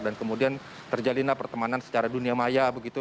dan kemudian terjalinlah pertemanan secara dunia maya begitu